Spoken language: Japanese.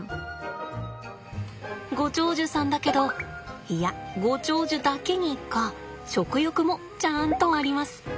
ご長寿さんだけどいやご長寿だけにか食欲もちゃんとあります。